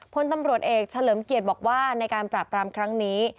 พลตำรวจเอกเฉลิมเกียรติบอกว่าในการปราบปรามครั้งนี้